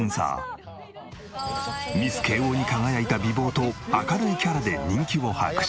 ミス慶應に輝いた美貌と明るいキャラで人気を博し。